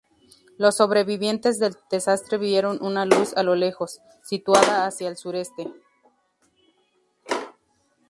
Los sobrevivientes del desastre vieron una luz a lo lejos, situada hacia el sureste.